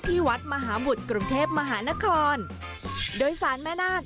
ที่วัดมหาบุตรกรุงเทพมหานครโดยสารแม่นาค